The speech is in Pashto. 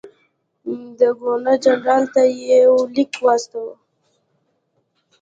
ده ګورنرجنرال ته یو لیک واستاوه.